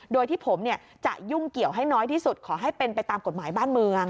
โดยที่ผมจะยุ่งเกี่ยวให้น้อยที่สุดขอให้เป็นไปตามกฎหมายบ้านเมือง